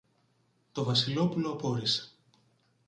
Το Βασιλόπουλο απόρησε.